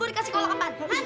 pak yuk taruh taruh taruh